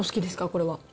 これは。